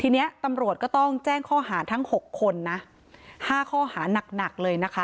ทีนี้ตำรวจก็ต้องแจ้งข้อหาทั้ง๖คนนะ๕ข้อหานักหนักเลยนะคะ